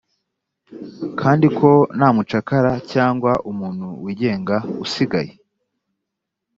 kandi ko nta mucakara cyangwa umuntu wigenga usigaye.